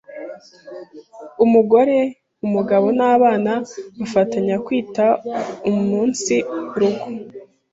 umugore, umugabo n’abana bafatanya kwita umunsi rugo